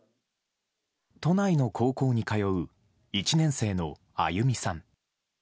都内の高校に通う１年生のあゆみさん。